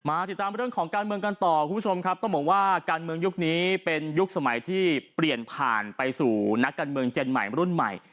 ติดตามเรื่องของการเมืองกันต่อคุณผู้ชมครับต้องบอกว่าการเมืองยุคนี้เป็นยุคสมัยที่เปลี่ยนผ่านไปสู่นักการเมืองเจนใหม่รุ่นใหม่